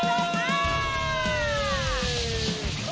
โกยฝา